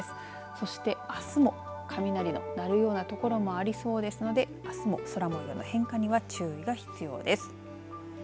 そして、あすも雷の鳴るような所もありそうですのであすの空もようの変化には注意が必要です。